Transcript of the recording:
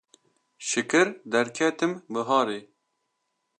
Şikir derketim biharê